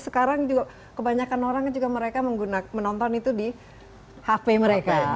sekarang juga kebanyakan orang juga mereka menonton itu di hp mereka